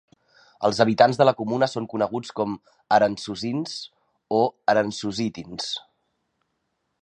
Els habitants de la comuna són coneguts com a "arhantsusins" o "arhantsusitins".